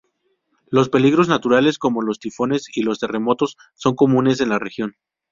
Los peligros naturales como los tifones y los terremotos son comunes en la región.